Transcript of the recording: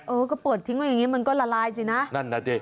เออก็เปิดทิ้งเอาอย่างนี้มันก็ละลายสินะตกใจนั่นน่ะเจ๊